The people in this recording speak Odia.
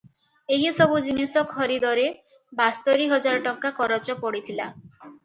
ଏହିସବୁ ଜିନିଷ ଖରିଦରେ ବାସ୍ତରି ହଜାର ଟଙ୍କା କରଚ ପଡ଼ିଥିଲା ।